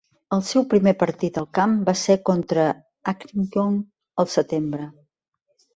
El seu primer partit al camp va ser contra Accrington el Setembre.